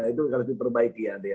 itu harus diperbaiki ya